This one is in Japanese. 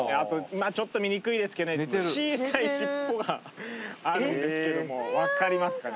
まあちょっと見にくいですけどあるんですけどもわかりますかね？